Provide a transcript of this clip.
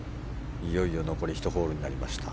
いよいよ残り１ホールになりました。